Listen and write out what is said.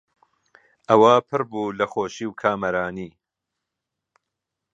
ئەوا پڕ بوو لە خۆشی و کامەرانی